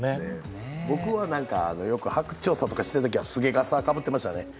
僕はよく発掘調査とかしているときすげ笠をかぶっていましたね。